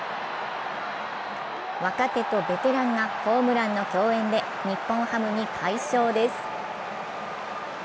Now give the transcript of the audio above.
若手とベテランがホームランの競演で日本ハムに快勝です。